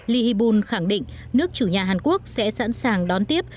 lee hee bun khẳng định nước chủ nhà hàn quốc sẽ sẵn sàng đón tiếp